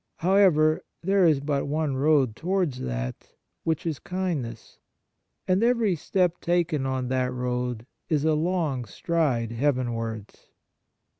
How ever, there is but one road towards that, which is kindness, and every step taken on that road is a long stride heavenwards.